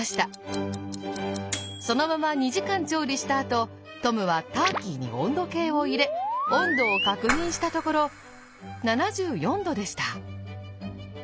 そのまま２時間調理したあとトムはターキーに温度計を入れ温度を確認したところ７４℃でした。